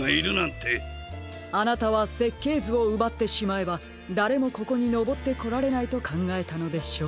あなたはせっけいずをうばってしまえばだれもここにのぼってこられないとかんがえたのでしょう。